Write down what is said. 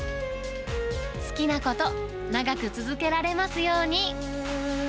好きなこと、長く続けられますように。